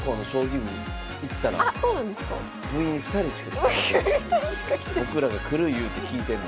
部員２人しか来てない。